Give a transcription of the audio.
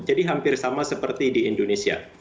jadi hampir sama seperti di indonesia